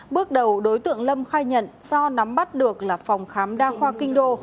bước đầu đối tượng lâm khai nhận do nắm bắt được là phòng khám đa khoa kinh đô